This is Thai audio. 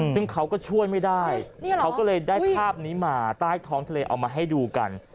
ซึ่งเขาก็ช่วยไม่ได้เขาก็เลยได้ภาพนี้มาใต้ท้องทะเลเอามาให้ดูกัน